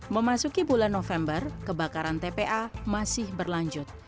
memasuki bulan november kebakaran tpa masih berlanjut